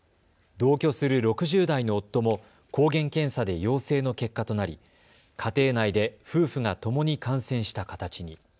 同居する６０代の夫も抗原検査で陽性の結果となり家庭内で夫婦がともに感染した形に。